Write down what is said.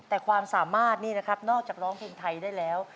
แต่ความสามารถนี่นะครับนอกจากร้องเพลงไทยได้แล้ว